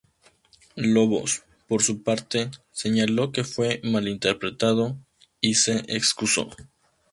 Lobos, por su parte, señaló que fue malinterpretado, y se excusó.